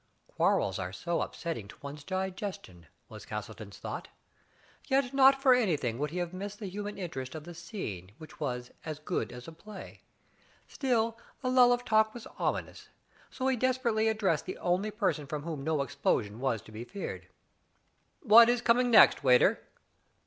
("Quarrels are so upsetting to one's digestion," was Castleton's thought. Yet not for anything would he have missed the human interest of the scene, which was "as good as a play." Still the lull of talk was ominous, so he desperately ad dressed the only person from whom no explosion was to be feared.) "What is coming next, waiter?"